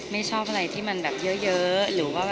แล้วก็ไม่ได้ทำอะไรที่เดือดนอนใคร